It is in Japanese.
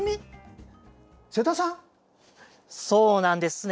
そうなんですね。